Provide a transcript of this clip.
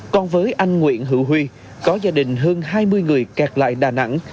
còn với anh nguyễn hữu huy có gia đình hơn hai mươi người kẹt lại đà nẵng